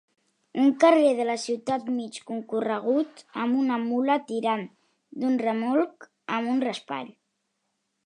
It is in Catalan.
Un carrer de la ciutat mig concorregut amb una mula tirant d'un remolc amb un raspall.